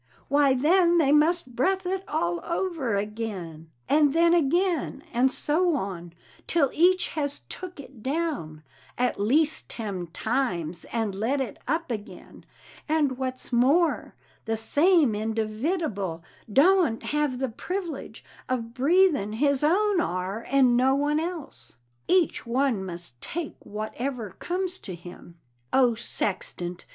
Why then they must breth it all over agin, And then agin and so on, till each has took it down At least ten times and let it up agin, and what's more, The same individible doant have the privilege Of breathin his own are and no one else, Each one must take wotever comes to him, O Sextant!